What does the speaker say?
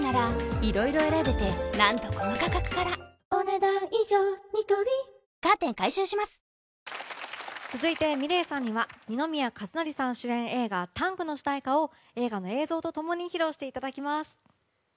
９０年代の夏王を発表続いてｍｉｌｅｔさんには二宮和也さん主演映画「ＴＡＮＧタング」の主題歌を映画の映像と共に披露していただきます。